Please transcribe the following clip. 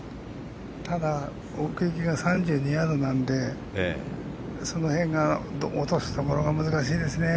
ただ、奥行きが３２ヤードなのでその辺が、落とすところが難しいですね。